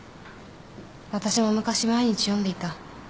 私も昔毎日読んでいた。